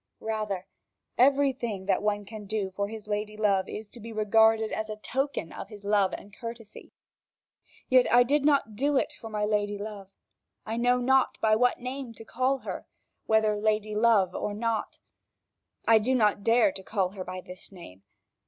Rather, everything that one can do for his lady love is to be regarded as a token of his love and courtesy. Yet, I did not do it for my 'lady love'. I know not by what name to call her, whether 'lady love', or not. I do not dare to call her by this name.